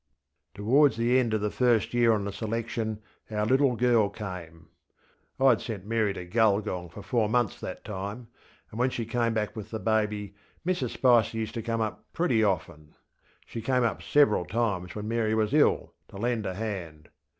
Towards the end of the first year on the selection our little girl came. IŌĆÖd sent Mary to Gulgong for four months that time, and when she came back with the baby Mrs Spicer used to come up pretty often. She came up several times when Mary was ill, to lend a hand.